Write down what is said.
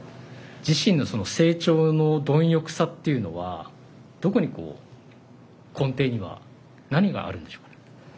自身の成長の貪欲さというのは根底には何があるんでしょうか？